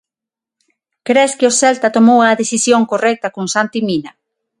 Cres que o Celta tomou a decisión correcta con Santi Mina?